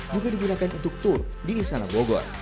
juga digunakan untuk tour di istana bogor